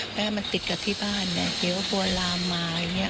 แม่มันติดกับที่บ้านเนี่ยเหลือว่าปัวลามมาอย่างเงี้ย